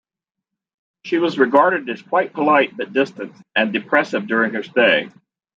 She was regarded as quite polite but distant and depressive during her stay.